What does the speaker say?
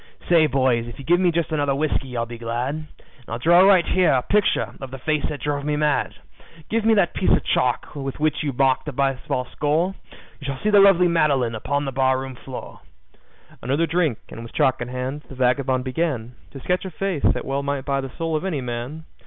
"Say, boys, if you give me just another whiskey I'll be glad, And I'll draw right here a picture of the face that drove me mad. Give me that piece of chalk with which you mark the baseball score You shall see the lovely Madeline upon the barroon floor." Another drink, and with chalk in hand, the vagabond began To sketch a face that well might buy the soul of any man.